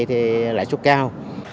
thì lãi suất cao